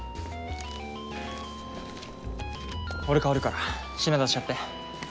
俺代わるから品出しやって。